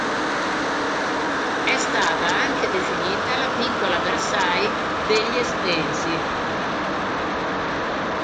È stata anche definita la piccola Versailles degli estensi.